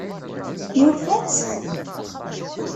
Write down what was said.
Yufa-tt?